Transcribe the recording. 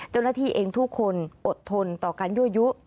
เจ้าหน้าที่เองทุกคนอดทนต่อการยั่วยุ